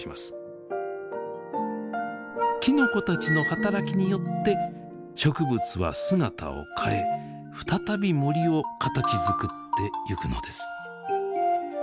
きのこたちのはたらきによって植物は姿を変え再び森を形づくっていくのです。